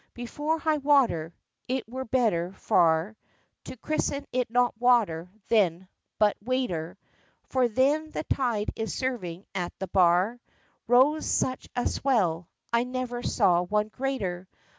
Before high water (it were better far To christen it not water then, but waiter, For then the tide is serving at the bar) Rose such a swell I never saw one greater!